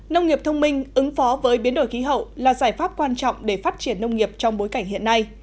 nông nghiệp thông minh ứng phó với biến đổi khí hậu là giải pháp quan trọng để phát triển nông nghiệp trong bối cảnh hiện nay